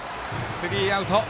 スリーアウト。